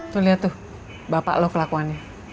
tuh lihat tuh bapak lo kelakuannya